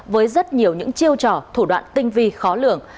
với rất nhiều những chiêu trò thủ đoạn tinh vi khó lường